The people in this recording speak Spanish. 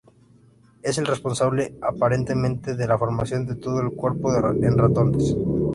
Es el responsable aparentemente de la formación de todo el cuerpo en ratones.